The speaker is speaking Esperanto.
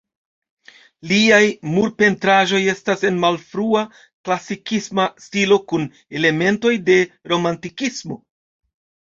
Liaj murpentraĵoj estas en malfrua klasikisma stilo kun elementoj de romantikismo.